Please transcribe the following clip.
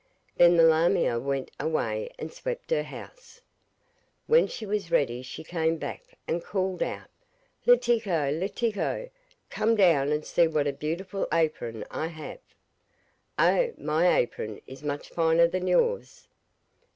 Then the lamia went away and swept her house, and when she was ready she came back and called out: 'Letiko, Letiko, come down and see what a beautiful apron I have.' 'Oh! my apron is much finer than yours.